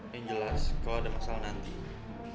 yang jelas kalau ada masalah nanti